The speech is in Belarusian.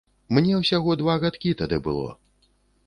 Мне ўсяго два гадкі тады было.